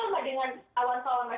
another and atnya bersama dengan